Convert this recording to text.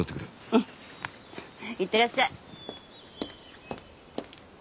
うん。いってらっしゃい。